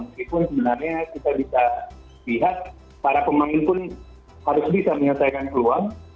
meskipun sebenarnya kita bisa lihat para pemain pun harus bisa menyelesaikan peluang